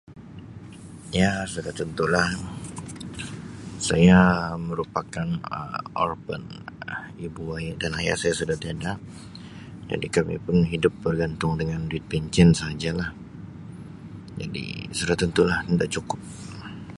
Ya, sudah tentulah saya merupakan Um orphan, ibu aya- dan ayah saya sudah tiada jadi kami pun hidup bergantung dengan duit pencen sahajalah. Jadi sudah tentulah tidak cukup.